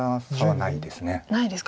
ないですか。